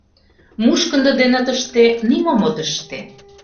— Мушкындо дене тыште нимом от ыште.